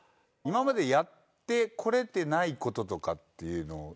今までやってこれてないこととかっていうの。